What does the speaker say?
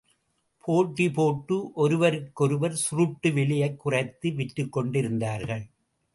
போட்டி போட்டு ஒருவர்க்கொருவர் சுருட்டு விலையைக் குறைத்து விற்றுக்கொண்டிருந்தார்கள்.